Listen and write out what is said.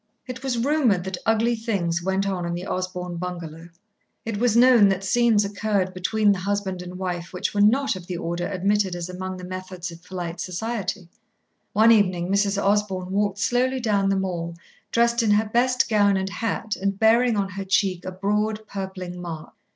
It was rumoured that ugly things went on in the Osborn bungalow. It was known that scenes occurred between the husband and wife which were not of the order admitted as among the methods of polite society. One evening Mrs. Osborn walked slowly down the Mall dressed in her best gown and hat, and bearing on her cheek a broad, purpling mark.